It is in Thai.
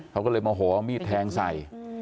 เขาก็เลยโมโหเอามีดแทงใส่